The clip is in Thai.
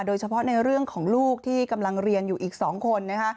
โดยเฉพาะในเรื่องของลูกที่กำลังเรียนอยู่อีก๒คนนะคะ